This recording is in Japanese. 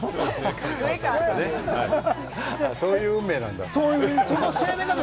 そういう運命なんだ。